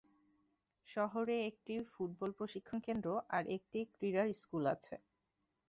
শহরে একটি ফুটবল প্রশিক্ষণ কেন্দ্র আর একটি ক্রীড়ার স্কুল আছে।